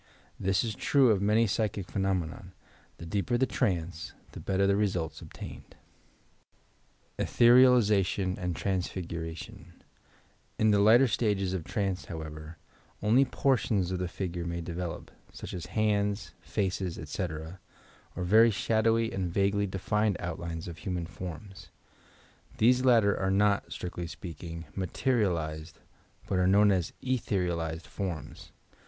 This is true of many psychic phe nomena: the deeper the trance, the better the results ob tained. I L MATERIALIZATION BTHEBIAIilZATION AND TRANSFIGURATION In the lighter stages of trance, however, only portions of the figure may develop, sach as bands, faces, etc., or very shadowy and vaguely defined outlines of human foftns. These latter are not, striotly ape akin g, ma terialized but are known as " etherialized " forms.